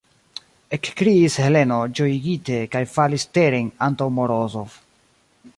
ekkriis Heleno ĝojigite kaj falis teren antaŭ Morozov.